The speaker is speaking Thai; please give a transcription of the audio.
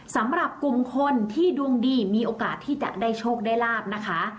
สำหรับกลุ่มคนที่ดวงดีมีโอกาสที่จะได้โชคได้ลาบนะคะ